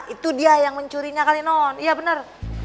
itu dia yang mencurinya kali non iya benar